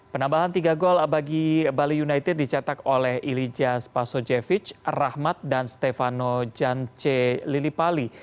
penambahan tiga gol bagi bali united dicetak oleh ilija spasojevic rahmat dan stefano jance lilipali